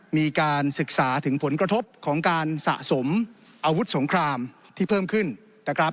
มีการศึกษาถึงผลกระทบของการสะสมอาวุธสงครามที่เพิ่มขึ้นนะครับ